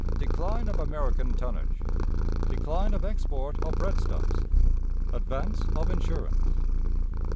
Decline of American Tonnage. Decline of Export of Breadstuffs. Advance of Insurance.